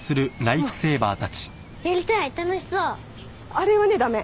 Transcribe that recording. あれはね駄目。